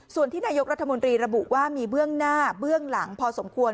ส่วนที่นายกรัฐมนตรีระบุว่ามีเบื้องหน้าเบื้องหลังพอสมควร